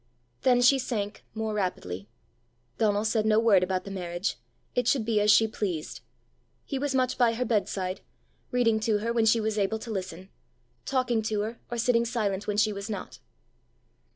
Then she sank more rapidly. Donal said no word about the marriage: it should be as she pleased! He was much by her bedside, reading to her when she was able to listen, talking to her or sitting silent when she was not.